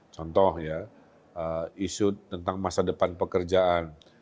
contoh ya isu tentang masa depan pekerjaan